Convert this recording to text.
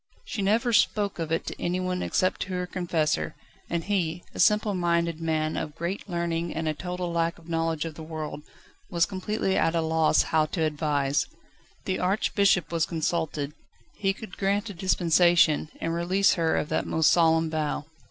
She never spoke of it to anyone except to her confessor, and he, a simple minded man of great learning and a total lack of knowledge of the world, was completely at a loss how to advise. The Archbishop was consulted. He could grant a dispensation, and release her of that most solemn vow.